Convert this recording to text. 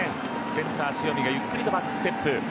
センター、塩見がゆっくりとバックステップ。